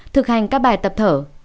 một thực hành các bài tập thở